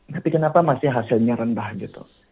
tapi kenapa masih hasilnya rendah gitu